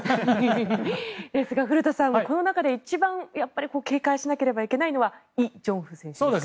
ですが古田さん、この中で一番警戒しなければいけないのはイ・ジョンフ選手ですかね。